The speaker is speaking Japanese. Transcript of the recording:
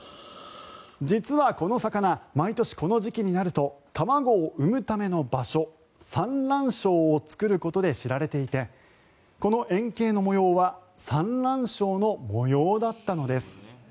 実はこの魚毎年、この時期になると卵を産むための場所産卵床を作ることで知られていてこの円形の模様は産卵床の模様だったのです。